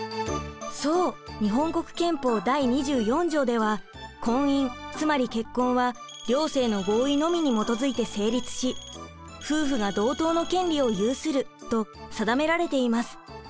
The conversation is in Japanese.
そう日本国憲法第２４条では婚姻つまり結婚は「両性の合意のみに基づいて成立し夫婦が同等の権利を有する」と定められています。